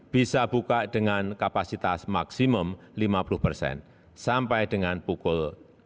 bisa buka dengan kapasitas maksimum lima puluh persen sampai dengan pukul